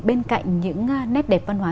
bên cạnh những nét đẹp văn hóa